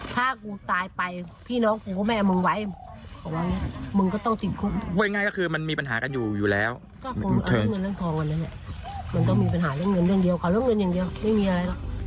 ถ้ากูตายไปพี่น้องผมก็ไม่เอามึงไว้